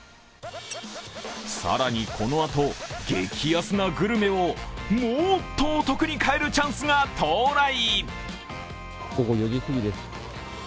更にこのあと、激安なグルメをもっとお得に買えるチャンスが到来。